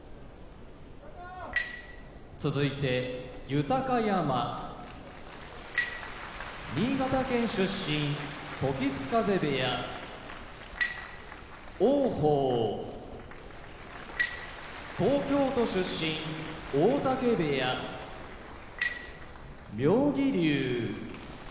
豊山新潟県出身時津風部屋王鵬東京都出身大嶽部屋妙義龍